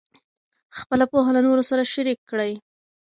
خپله پوهه له نورو سره شریک کړئ.